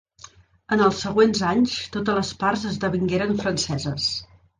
En els següents anys totes les parts esdevingueren franceses.